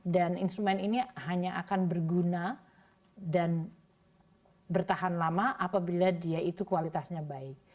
dan instrumen ini hanya akan berguna dan bertahan lama apabila dia itu kualitasnya baik